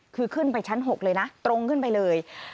คือขึ้นไปชั้น๖เลยนะตรงขึ้นไปเลย